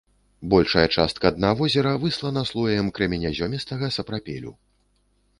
Большая частка дна возера выслана слоем крэменязёмістага сапрапелю.